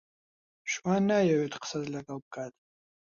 شوان نایەوێت قسەت لەگەڵ بکات.